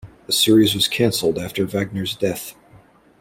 The series was canceled after Wagner's death.